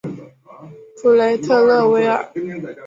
普雷特勒维尔。